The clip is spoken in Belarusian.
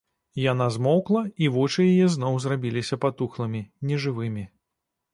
Яна змоўкла, і вочы яе зноў зрабіліся патухлымі, нежывымі.